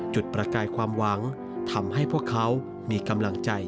ประกายความหวังทำให้พวกเขามีกำลังใจ